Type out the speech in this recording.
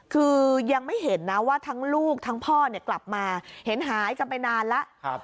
คือยังไม่เห็นนะว่าทั้งลูกทั้งพ่อเนี่ยกลับมาเห็นหายกันไปนานแล้ว